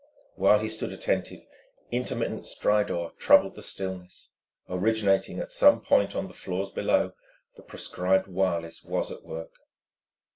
While he stood attentive, intermittent stridor troubled the stillness, originating at some point on the floors below: the proscribed wireless was at work.